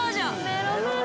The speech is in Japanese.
メロメロ